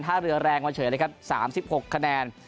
ห้าเรือแรงมาเฉยเลยครับสามสิบหกคะแนน